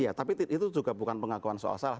iya tapi itu juga bukan pengakuan soal salah